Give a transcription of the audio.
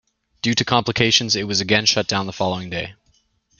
Due to complications it was again shut down the following day.